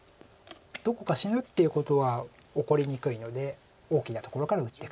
どこか死ぬっていうことは起こりにくいので大きなところから打っていくと。